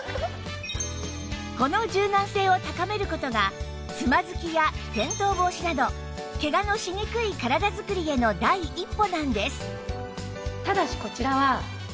この柔軟性を高める事がつまずきや転倒防止などケガのしにくい体作りへの第一歩なんです